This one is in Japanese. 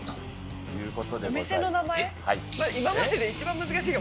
今までで一番難しいよ。